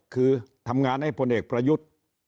คือทำงานให้พลเอกประยุทธ์